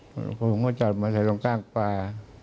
พอผมก็จอดบอสไซค์ตรงกล้ากปลา